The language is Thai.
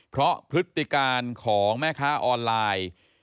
เพราะพฤติการของแม่ค้าออนไลน์